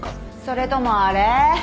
それともあれ？